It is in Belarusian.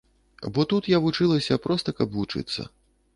Бо тут я вучылася, проста каб вучыцца.